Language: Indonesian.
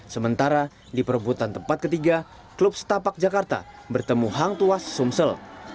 sementara di perebutan tempat ketiga klub setapak jakarta bertemu hangtuas sumsel